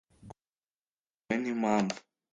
gusa igihe bitewe n'impamvu